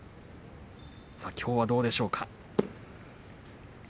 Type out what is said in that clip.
きょうはどうでしょうか。